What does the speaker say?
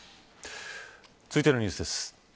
続いてのニュースです。